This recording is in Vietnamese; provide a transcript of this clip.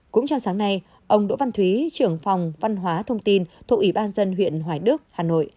cũng trong sáng nay ông đỗ văn thúy trưởng phòng văn hóa thông tin thuộc ủy ban dân huyện hoài đức hà nội